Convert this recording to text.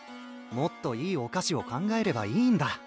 もっといいお菓子を考えればいいんだ。